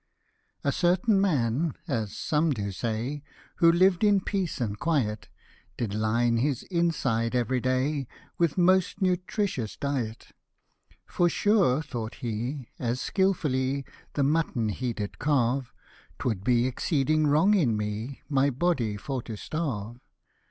A CERTAIN man, as some do say, Who liv'd in peace and quiet, Did line his inside every day With most nutritious diet. F2 100 " For sure/' thought he, as skilfully The mutton he did carve, " 'Twould be exceeding wrong in me My body for to starve."